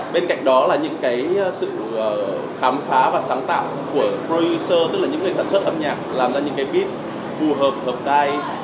bên cạnh đó là những cái sự khám phá và sáng tạo của prowecer tức là những người sản xuất âm nhạc làm ra những cái bit phù hợp hợp tai